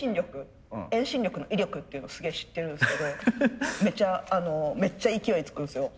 遠心力の威力っていうのをすげえ知ってるんすけどめっちゃ勢いつくんすよ。